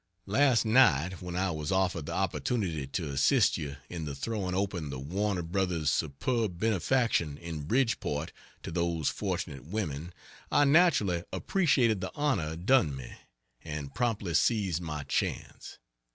Last night when I was offered the opportunity to assist you in the throwing open the Warner brothers superb benefaction in Bridgeport to those fortunate women, I naturally appreciated the honor done me, and promptly seized my chance.